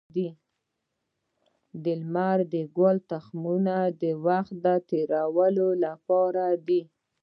د لمر ګل تخمونه د وخت تیري لپاره دي.